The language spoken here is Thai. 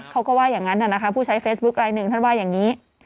เขาก็ว่าอย่างนั้นนะคะผู้ใช้เฟซบุ๊คลายหนึ่งท่านว่าอย่างนี้